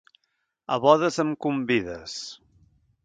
A bodes em convides.